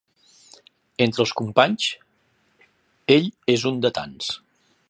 Entre els companys ell és un de tants.